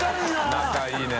仲いいね。